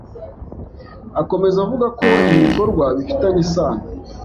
akomeza avuga ko ibi bikorwa bifitanye isano